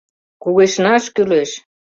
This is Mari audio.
Кугешнаш кӱлеш!